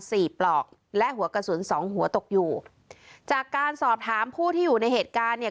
ปลอกและหัวกระสุนสองหัวตกอยู่จากการสอบถามผู้ที่อยู่ในเหตุการณ์เนี่ย